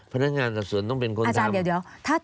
พนักงานกับส่วนต้องเป็นคนทำ